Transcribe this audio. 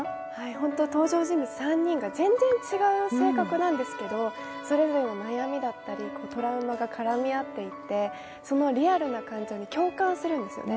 ほんと登場人物３人が全然違う性格なんですけれども、それぞれの悩みだったりトラウマが絡み合っていて、そのリアルな感情に共感するんですよね。